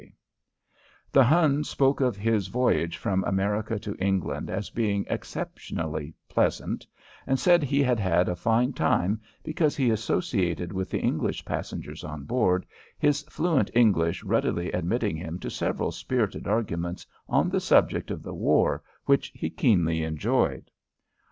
K. The Hun spoke of his voyage from America to England as being exceptionally pleasant, and said he had had a fine time because he associated with the English passengers on board, his fluent English readily admitting him to several spirited arguments on the subject of the war which he keenly enjoyed.